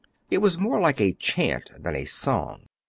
It was more like a chant than a song.